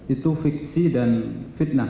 itu fiksi dan fitnah